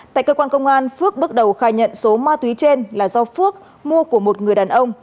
tại cơ quan công an phước bước đầu khai nhận số ma túy trên là do phước mua của một người đàn ông